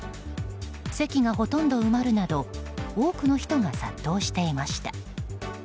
席がほとんど埋まるなど多くの人が殺到していました。